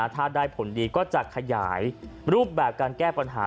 ถ้าได้ผลดีก็จะขยายรูปแบบการแก้ปัญหา